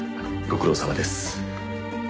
ご苦労さまです。